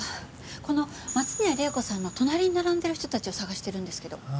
この松宮玲子さんの隣に並んでいる人たちを捜してるんですけど。